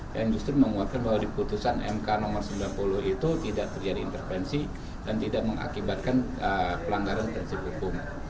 ya industri menguatkan bahwa di putusan mk nomor sembilan puluh itu tidak terjadi intervensi dan tidak mengakibatkan pelanggaran prinsip hukum